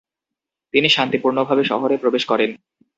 তিনি শান্তিপূর্ণভাবে শহরে প্রবেশ করেন।